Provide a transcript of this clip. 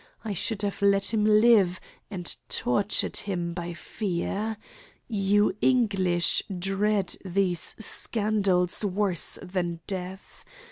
I should have let him live, and tortured him by fear. You English dread these scandals worse than death.